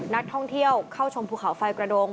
นักท่องเที่ยวเข้าชมภูเขาไฟกระดง